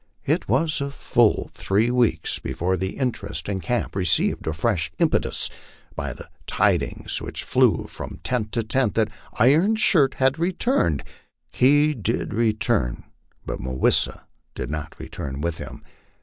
It was full three weeks before the interest in camp received a fresh impetus, by the tidings, which flew from tent to tent, that Iron Shirt had re turned. He did return, but Mah wis sa did not return with him.